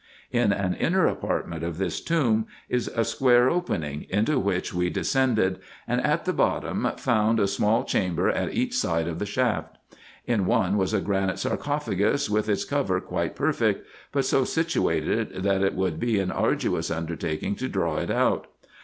In an inner apartment of this tomb is a square opening, IN EGYPT, NUBIA, &c 181 into which we descended, and at the bottom found a small chamber at each side of the shaft. In one was a granite sarcophagus with its cover quite perfect, but so situated, that it would be an arduous undertaking to draw it out.